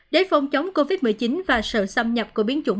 để phòng chống covid một mươi chín và sự xâm nhập của biến chủng